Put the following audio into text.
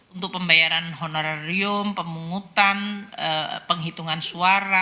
untuk pembayaran honorarium pemungutan penghitungan suara